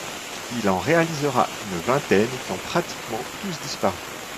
Il en réalisera une vingtaine qui ont pratiquement tous disparus.